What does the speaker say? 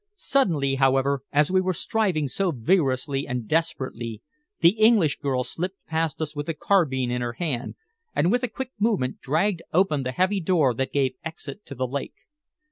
Suddenly, however, as we were striving so vigorously and desperately, the English girl slipped past us with the carbine in her hand, and with a quick movement dragged open the heavy door that gave exit to the lake.